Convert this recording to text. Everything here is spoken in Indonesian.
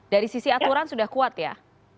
dari sisi aturan sudah kuat ya